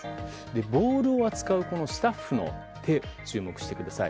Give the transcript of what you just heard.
ボールを扱うスタッフの手に注目してください。